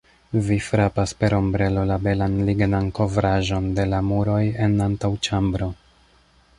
Vi frapas per ombrelo la belan lignan kovraĵon de la muroj en antaŭĉambro.